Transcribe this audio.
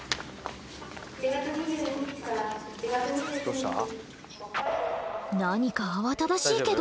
どうした？